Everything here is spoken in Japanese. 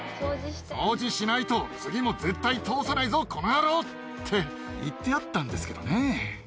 掃除しないと、次も絶対通さないぞ、このやろーって言ってあったんですけどね。